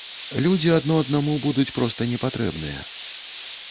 Людзі адно аднаму будуць проста не патрэбныя.